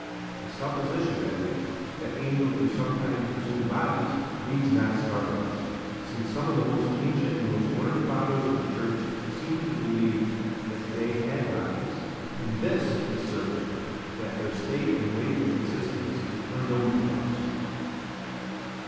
The supposition, at least, that angels do sometimes assume bodies, needs not startle us; since some of the most ancient and most learned Fathers of the church seemed to believe that they had bodies: and this is certain, that their state and way of existence is unknown to us.